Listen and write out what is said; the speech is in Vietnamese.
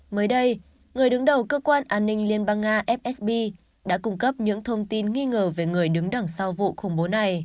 mới đây người đứng đầu cơ quan an ninh liên bang nga fsb đã cung cấp những thông tin nghi ngờ về người đứng đằng sau vụ khủng bố này